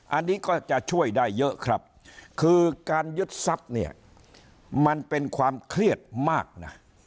อันนี้ก็จะช่วยได้เยอะครับคือการยึดทรัพย์เนี่ยมันเป็นความเครียดมากนะ